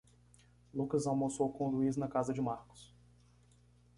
Lucas almoçou com Luiz na casa de Marcos.